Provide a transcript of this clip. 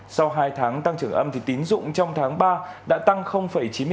sau hai tháng tăng trưởng âm thì tín dụng trong tháng ba đã tăng chín mươi tám